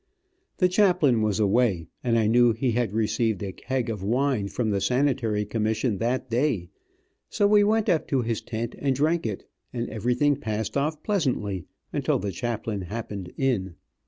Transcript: The chaplain was away, and I knew he had received a keg of wine from the sanitary commission that day, so we went up to his tent and drank it, and everything passed off pleasantly until the chaplain happened in.